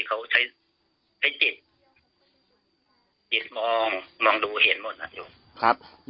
คือถอนมนต์ดำอ่ะคือทำให้เสื่อมอ่ะ